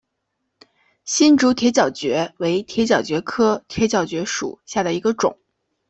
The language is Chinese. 新竹铁角蕨为铁角蕨科铁角蕨属下的一个种。